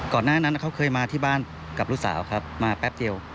หน้านั้นเขาเคยมาที่บ้านกับลูกสาวครับมาแป๊บเดียว